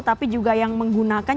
tapi juga yang menggunakan